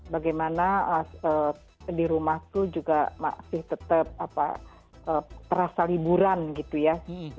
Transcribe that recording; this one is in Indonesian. bagaimana di rumahku juga masih tetap terasa liburan gitu ya